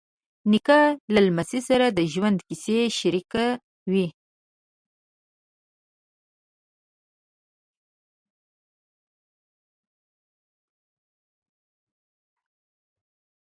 نیکه له لمسي سره د ژوند کیسې شریکوي.